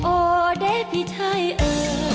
โอเด่พี่ใจเอออ้อ